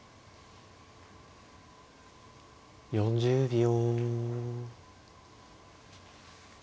４０秒。